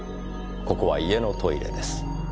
「ここは家のトイレです」